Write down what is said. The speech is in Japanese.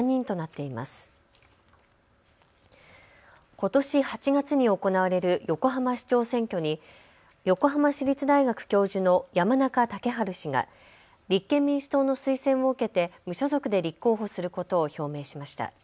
ことし８月に行われる横浜市長選挙に横浜市立大学教授の山中竹春氏が立憲民主党の推薦を受けて無所属で立候補することを表明しました。